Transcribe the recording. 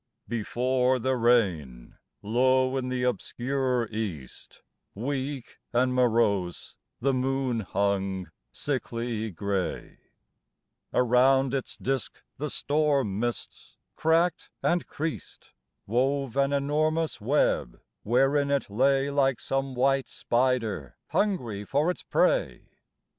Before the rain, low in the obscure east, Weak and morose the moon hung, sickly gray; Around its disc the storm mists, cracked and creased, Wove an enormous web, wherein it lay Like some white spider hungry for its prey.